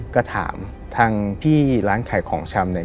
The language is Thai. ก็ถามทางพี่ร้านขายของชำเนี่ย